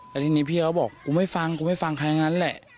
แล้วทีนี้พี่เขาบอกกูไม่ฟังกูไม่ฟังใครทั้งนั้นแหละ